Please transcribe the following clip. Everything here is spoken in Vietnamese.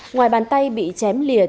ngoài bàn tay bị chém lìa